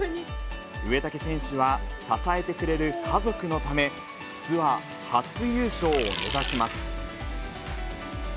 植竹選手は支えてくれる家族のため、ツアー初優勝を目指します。